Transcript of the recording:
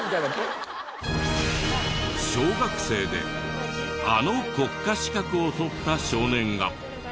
小学生であの国家資格を取った少年が。